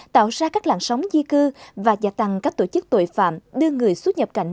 tạo ra các làng sóng di cư và gia tăng các tổ chức tội phạm đưa người xuất nhập cảnh